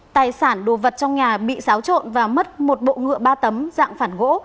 tài sản đồ vật trong nhà bị xáo trộn và mất một bộ ngựa ba tấm dạng phản gỗ